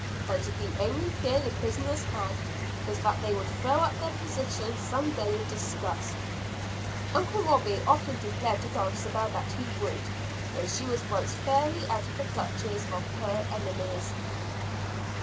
And the only fear the prisoners had, was that they would throw up their positions some day in disgust. Uncle Robie often declared to Dulcibel that he would, when she was once fairly out of the clutches of her enemies.